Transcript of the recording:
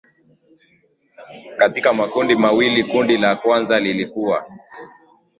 katika makundi mawili Kundi la kwanza lilikuwa